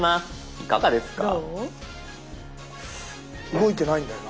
動いてないんだよな。